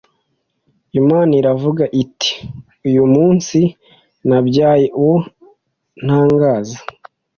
Imana iravuga iti Uyu munsi nabyaye uwo ntangaza